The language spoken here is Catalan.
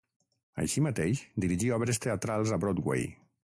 Així mateix, dirigí obres teatrals a Broadway.